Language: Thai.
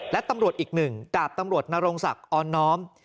และตำรวจอีกหนึ่งดาบตำรวจนรงศักดิ์ออนน้อม